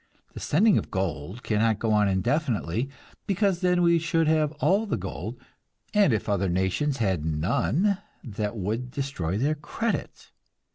The sending of gold cannot go on indefinitely, because then we should have all the gold, and if other nations had none that would destroy their credit.